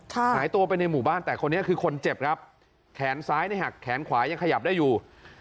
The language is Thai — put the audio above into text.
หายตัวไปในหมู่บ้านแต่คนนี้คือคนเจ็บครับแขนซ้ายเนี่ยหักแขนขวายังขยับได้อยู่